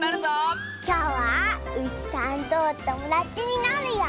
きょうはうしさんとおともだちになるよ！